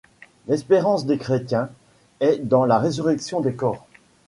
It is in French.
L’espérance des chrétiens, est dans la résurrection des corps.